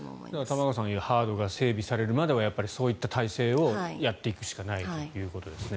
玉川さんが言うハードが整備されるまではそういった体制をやっていくしかないということですね。